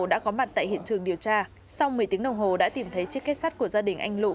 đã có mặt tại hiện trường điều tra sau một mươi tiếng đồng hồ đã tìm thấy chiếc kết sắt của gia đình anh lụ